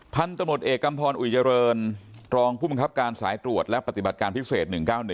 พันธุ์ตำรวจเอกกำพรอุยเจริญรองผู้บังคับการสายตรวจและปฏิบัติการพิเศษ๑๙๑